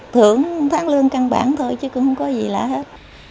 thưởng tháng lương căn bản thôi chứ không có gì lạ hết